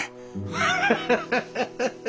ハハハハハハ。